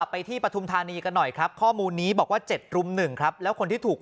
ไปที่ปฐุมธานีกันหน่อยครับข้อมูลนี้บอกว่า๗รุม๑ครับแล้วคนที่ถูก